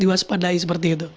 diwaspadai seperti itu